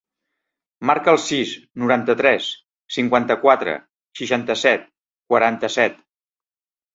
Marca el sis, noranta-tres, cinquanta-quatre, seixanta-set, quaranta-set.